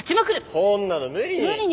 そんなの無理に。